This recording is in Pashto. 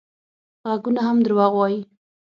غږونه هم دروغ وايي